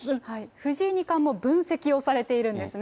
藤井二冠も分析をされているんですね。